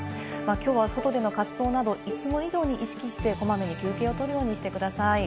きょうは外での活動などいつも以上に意識してこまめに休憩をとるようにしてください。